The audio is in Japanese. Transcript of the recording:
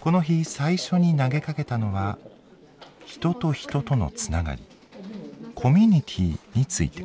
この日最初に投げかけたのは人と人とのつながり「コミュニティー」について。